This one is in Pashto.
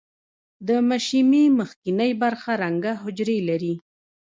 د مشیمیې مخکینۍ برخه رنګه حجرې لري.